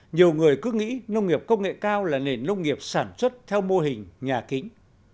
nhiều người cứ nghĩ nông nghiệp công nghệ cao là nền nông nghiệp sản xuất theo mô hình nhà kính